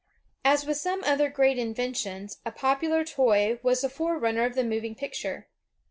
As with some other great inyentions, a popular toy was the forerunner of the moving picture.